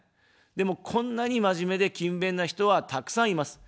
でも、こんなに真面目で勤勉な人はたくさんいます。